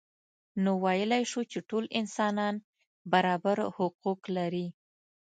نو ویلای شو چې ټول انسانان برابر حقوق لري.